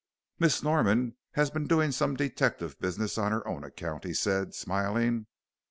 "Miss Norman has been doing some detective business on her own account," he said, smiling.